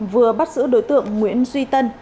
vừa bắt giữ đối tượng nguyễn duy tân